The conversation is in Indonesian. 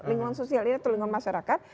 lingkungan sosial ini atau lingkungan masyarakat